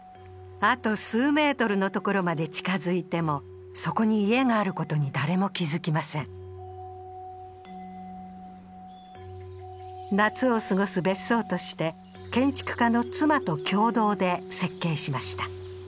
あと数メートルの所まで近づいてもそこに家があることに誰も気付きません夏を過ごす別荘として建築家の妻と共同で設計しました。